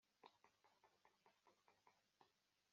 atonganya uwo mutozo